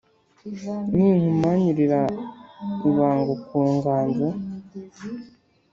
Ninkumanyurira ibango ku nganzo